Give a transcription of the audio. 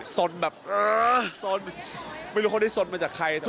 สนแบบเออสนไม่รู้คนที่สนมาจากใคร